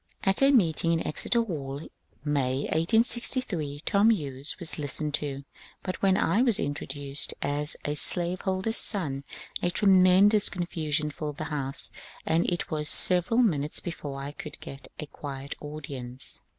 At a meeting in Exeter Hall, May, 1868, Tom Hughes was listened to, but when I was introduced as a slaveholder's son a tremendous confusion filled the house, and it was several minutes before I could get a quiet audience.